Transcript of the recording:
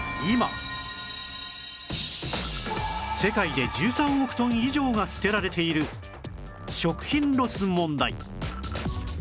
世界で１３億トン以上が捨てられている食品ロス問題